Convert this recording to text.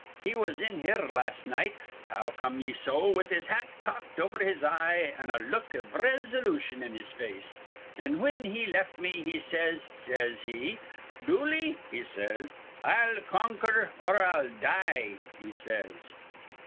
He was in here las' night, how come ye so, with his hat cocked over his eye an' a look iv risolution on his face; an' whin he left me, he says, says he, 'Dooley,' he says, 'I'll conquir, or I'll die,' he says.